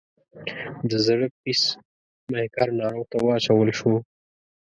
د زړه پیس میکر ناروغ ته واچول شو.